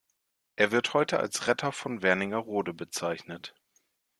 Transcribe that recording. Er wird heute als „Retter von Wernigerode“ bezeichnet.